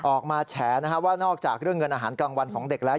แฉว่านอกจากเรื่องเงินอาหารกลางวันของเด็กแล้ว